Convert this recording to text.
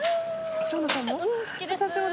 生野さんも？